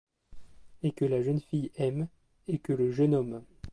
Et que la jeune fille aime, et que le jeune homme